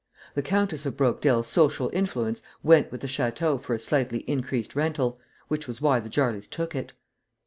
The Countess of Brokedale's social influence went with the château for a slightly increased rental, which was why the Jarleys took it.